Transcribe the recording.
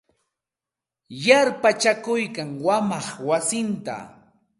Yarpachakuykan wamaq wasinta.